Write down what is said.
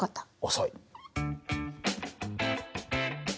遅い。